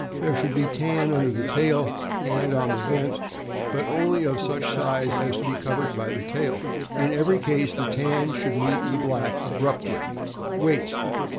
There should be tan under the tail and on the vent, but only of such size as to be covered by the tail. In every case, the tan should meet the black abruptly. Weight.